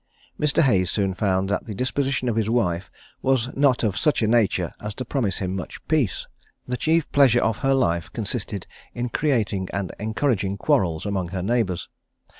Mr. Hayes soon found that the disposition of his wife was not of such a nature as to promise him much peace. The chief pleasure of her life consisted in creating and encouraging quarrels among her neighbours.